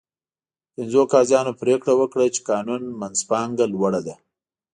پنځو قاضیانو پرېکړه وکړه چې قانون منځپانګه لوړه ده.